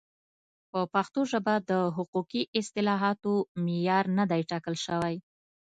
په پښتو ژبه د حقوقي اصطلاحاتو معیار نه دی ټاکل شوی.